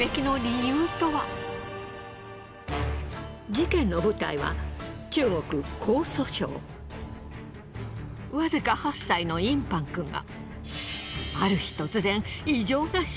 事件の舞台はわずか８歳のインパン君は。